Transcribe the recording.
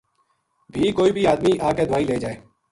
بھی کوئی بھی آدمی آ کے دوائی لے جائے